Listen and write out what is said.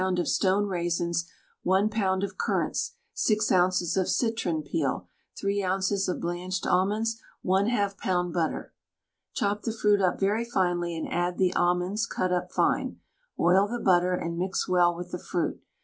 of stoned raisins, 1 lb. of currants, 6 oz. of citron peel, 3 oz. of blanched almonds, 1/2 lb. butter. Chop the fruit up very finely, add the almonds cut up fine, oil the butter and mix well with the fruit.